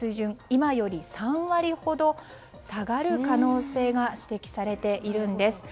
今より３割ほど下がる可能性が指摘されているんです。